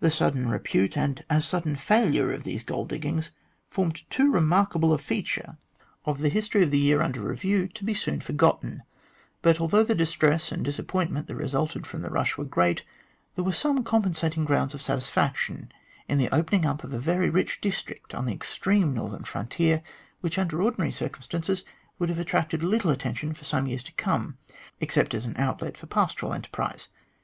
The sudden repute and as sudden failure of these gold diggings formed too remarkable a feature of the history of the THE HOST OF DISAPPOINTED DIGGERS 127 year under review to be soon forgotten ; but, although the distress and disappointment that resulted from the rush were great, there were some compensating grounds of satis faction in the opening up of a very rich district on the extreme northern frontier, which, under ordinary circum stances, would have attracted but little attention for some years to come, except as an outlet for pastoral enterprise.